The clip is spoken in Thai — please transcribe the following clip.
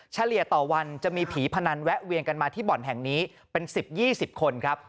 เฉลี่ยต่อวันจะมีผีพนันแวะเวียนกันมาที่บ่อนแห่งนี้เป็น๑๐๒๐คนครับ